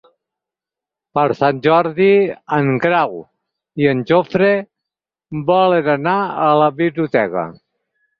Per Sant Jordi en Grau i en Jofre volen anar a la biblioteca.